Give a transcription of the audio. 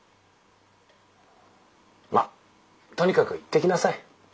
まっとにかく行ってきなさい。